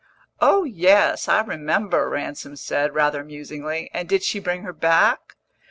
"Oh yes, I remember," Ransom said, rather musingly. "And did she bring her back?"